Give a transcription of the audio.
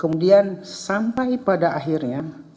kemudian sampai pada akhirnya